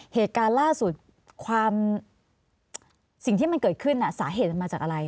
เหตุการณ์ล่าสุดความสิ่งที่มันเกิดขึ้นสาเหตุมันมาจากอะไร